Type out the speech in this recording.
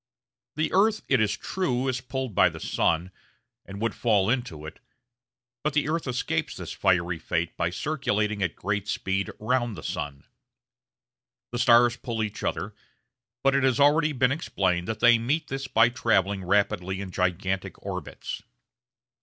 The earth, it is true, is pulled by the sun, and would fall into it; but the earth escapes this fiery fate by circulating at great speed round the sun. The stars pull each other; but it has already been explained that they meet this by travelling rapidly in gigantic orbits.